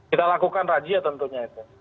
kita lakukan rajia tentunya itu